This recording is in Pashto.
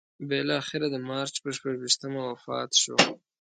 بالاخره د مارچ پر شپږویشتمه وفات شو.